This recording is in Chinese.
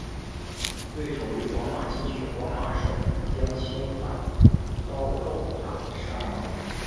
对手于皇马禁区皇马守将侵犯遭漏判十二码。